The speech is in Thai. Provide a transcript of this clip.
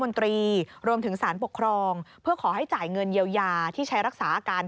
นตรีรวมถึงสารปกครองเพื่อขอให้จ่ายเงินเยียวยาที่ใช้รักษาอาการ